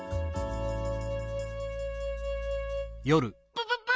プププ！